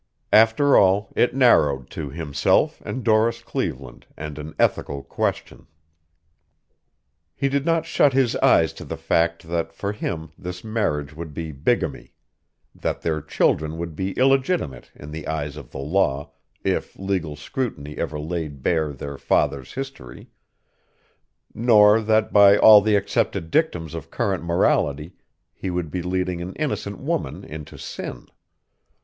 After all, it narrowed to himself and Doris Cleveland and an ethical question. He did not shut his eyes to the fact that for him this marriage would be bigamy; that their children would be illegitimate in the eyes of the law if legal scrutiny ever laid bare their father's history; nor that by all the accepted dictums of current morality he would be leading an innocent woman into sin.